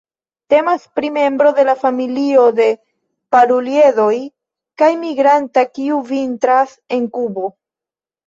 Temas pri membro de la familio de Paruliedoj kaj migranta, kiu vintras en Kubo.